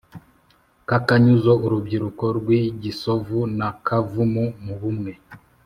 k’akanyuzo… urubyiruko rw’i gisovu na kavumu mu bumwe.